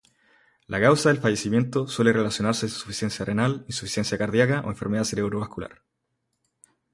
La causa de fallecimiento suele relacionarse a insuficiencia renal, insuficiencia cardiaca o enfermedad cerebrovascular.